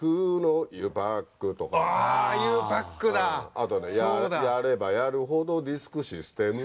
あとやればやるほどディスクシステムとか。